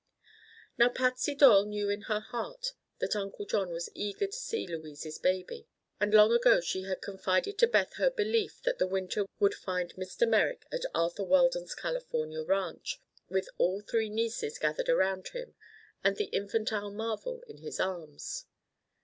Now, Patsy Doyle knew in her heart that Uncle John was eager to see Louise's baby, and long ago she had confided to Beth her belief that the winter would find Mr. Merrick at Arthur Weldon's California ranch, with all his three nieces gathered around him and the infantile marvel in his arms.